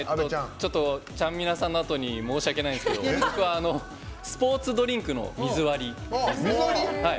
ちゃんみなさんのあとに申し訳ないんですけど僕はスポーツドリンクの水割り。